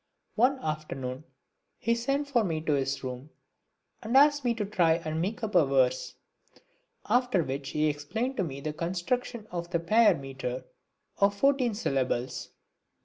One afternoon he sent for me to his room, and asked me to try and make up a verse; after which he explained to me the construction of the payar metre of fourteen syllables.